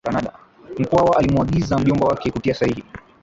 Mkwawa alimuagiza mjombawake kutia sahihi